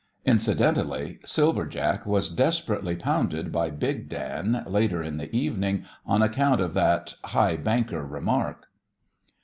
Incidentally Silver Jack was desperately pounded by Big Dan, later in the evening, on account of that "high banker" remark.